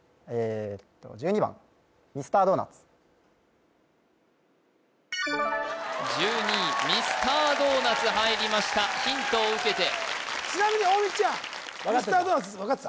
１２番１２位ミスタードーナツ入りましたヒントを受けてちなみに大道ちゃん分かってた？